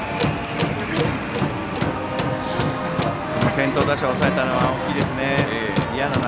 先頭打者を抑えたのは大きいですね。